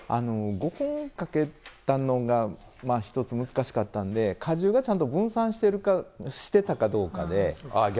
５本掛けたのが、一つ難しかったんで、荷重がちゃんと分散してたかどうかで。